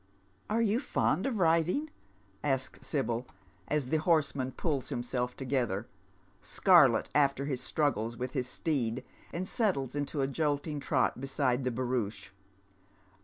" Are you fond of riding ?" asks Sbyl, as the horseman pulls himself together, scarlet after his struggles with his steed, and bettles into a jolting trot beside the barouche.